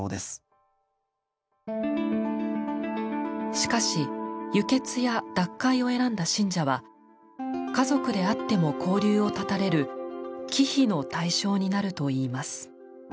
しかし輸血や脱会を選んだ信者は家族であっても交流を絶たれる「忌避」の対象になるといいます。